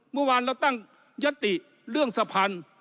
เมื่อวานเราตั้งยติเรื่องสะพาน